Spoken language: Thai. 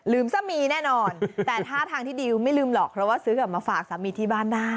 ซะมีแน่นอนแต่ท่าทางที่ดิวไม่ลืมหรอกเพราะว่าซื้อกลับมาฝากสามีที่บ้านได้